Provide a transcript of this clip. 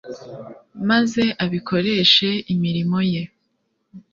maze abikoreshe imirimo ye